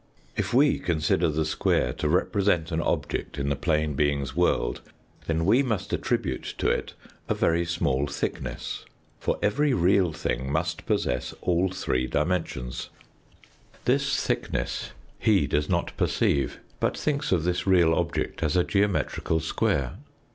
If we consider the square to represent an object in the plane Fig. 7. 10 THE FOURTH DIMENSION being's world then we must attribute to it a very small thickness, for every real thing must possess all three dimensions. This thickness he does not preceive, but thinks of this real object as a geometrical square.